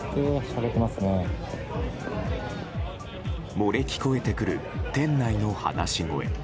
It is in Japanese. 漏れ聞こえてくる店内の話し声。